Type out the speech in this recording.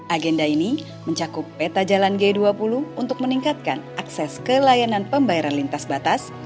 agenda ini mencakup peta jalan g dua puluh untuk meningkatkan akses ke layanan pembayaran lintas batas